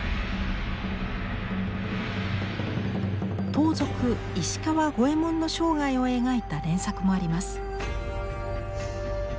盗賊石川五右衛門の生涯を描いた連作もあります。